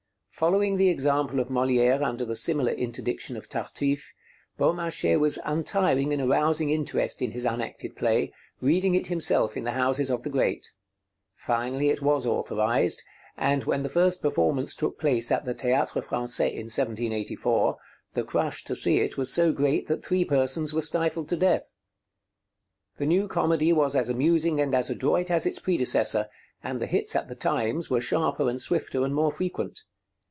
Following the example of Molière under the similar interdiction of 'Tartuffe,' Beaumarchais was untiring in arousing interest in his unacted play, reading it himself in the houses of the great. Finally it was authorized, and when the first performance took place at the Théâtre Français in 1784, the crush to see it was so great that three persons were stifled to death. The new comedy was as amusing and as adroit as its predecessor, and the hits at the times were sharper and swifter and more frequent.